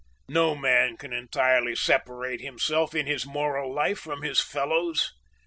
No man can entirely separate himself in his moral life from his fellows.